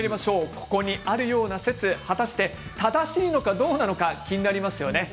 ここにあるような説果たして正しいのかどうなのか気になりますよね。